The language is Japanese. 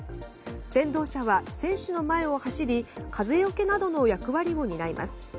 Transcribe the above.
先導車は選手の前を走り風よけなどの役割を担います。